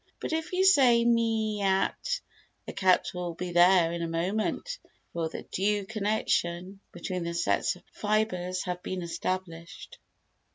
But if you say "Me e at," the cat will be there in a moment, for the due connection between the sets of fibres has been established.